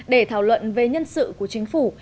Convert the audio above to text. để thảo luận về nhân sự của chính phủ